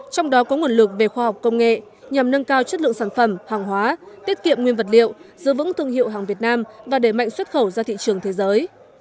trong đó có nguồn lực về khoa học công nghệ nhằm nâng cao chất lượng sản phẩm hàng hóa tiết kiệm nguyên vật liệu giữ vững thương hiệu hàng việt nam và đẩy mạnh xuất khẩu ra thị trường thế giới